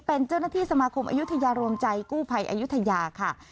เป็นเจ้าหน้าที่สมาคมอายุทยารวมใจกู้ภัยอายุทยาค่ะ